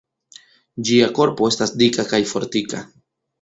Ĝia korpo estas dika kaj fortika.